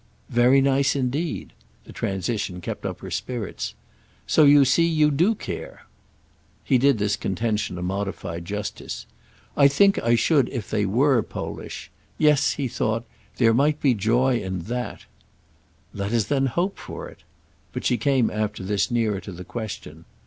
"Very nice indeed." The transition kept up her spirits. "So you see you do care." He did this contention a modified justice. "I think I should if they were Polish. Yes," he thought—"there might be joy in that." "Let us then hope for it." But she came after this nearer to the question.